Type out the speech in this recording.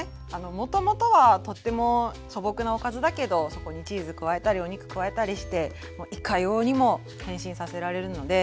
もともとはとっても素朴なおかずだけどそこにチーズ加えたりお肉加えたりしてもういかようにも変身させられるので。